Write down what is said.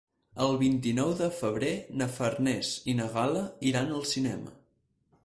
El vint-i-nou de febrer na Farners i na Gal·la iran al cinema.